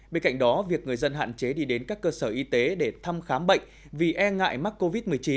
bên cạnh đó việc người dân hạn chế đi đến các cơ sở y tế để thăm khám bệnh vì e ngại mắc covid một mươi chín